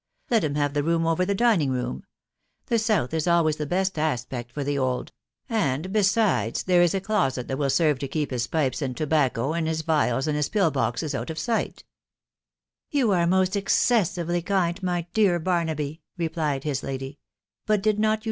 ••. Let him have' the room over the dining room ; the south ie always the best aspect for the* old; and? besides? there*i* a doaet' that wili serve to keep his* pipe*? aad tbbauw and 'his phialeand his pill*boxea, out of sight*'*' «<Ytm\ are most ex* oe4vely kind^nry dear Barnabyj" re* pKed hMady ; "bat did not you.